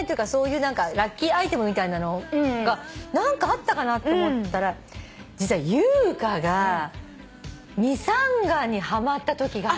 ラッキーアイテムみたいなのが何かあったかなと思ったら実は優香がミサンガにはまったときが。